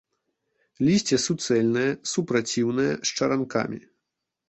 Лісце суцэльнае, супраціўнае, з чаранкамі.